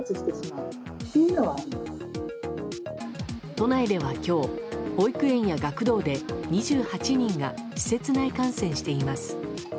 都内では今日、保育園や学童で２８人が施設内感染しています。